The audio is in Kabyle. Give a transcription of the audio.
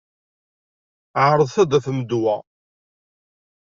Ɛeṛḍet ad tafem ddwa.